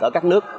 ở các nước